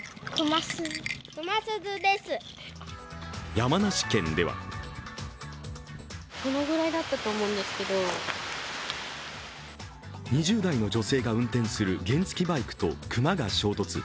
山梨県では２０代の女性が運転する原付きバイクと熊が衝突。